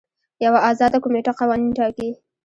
یوه ازاده کمیټه قوانین ټاکي.